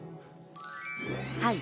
はい。